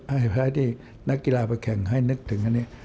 ให้พระอาทิตย์นักกีฬาประแข่งให้นึกถึงอันนี้